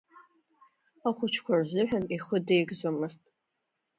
Ахәыҷқәа рзыҳәан ихы деигӡомызт.